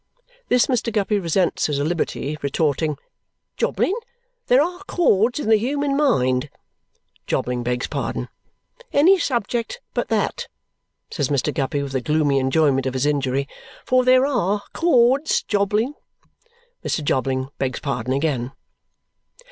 This Mr. Guppy resents as a liberty, retorting, "Jobling, there ARE chords in the human mind " Jobling begs pardon. "Any subject but that!" says Mr. Guppy with a gloomy enjoyment of his injury. "For there ARE chords, Jobling " Mr. Jobling begs pardon again.